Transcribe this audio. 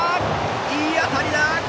いい当たりだ！